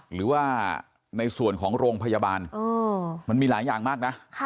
หรือว่าในส่วนของโรงพยาบาลมันมีหลายอย่างมากนะ